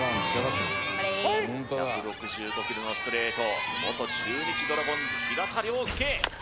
頑張れプレイ１６５キロのストレート元中日ドラゴンズ平田良介